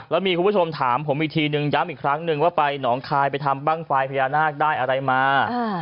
แล้วมีคุณผู้ชมถามผมอีกทีนึงย้ำอีกครั้งนึงว่าไปหนองคายไปทำบ้างไฟพญานาคได้อะไรมา